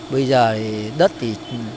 bây giờ thì đất thì